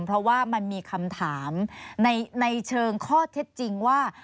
เพราะว่ามันมีคำถามในเชิงข้อเท็จจริงว่า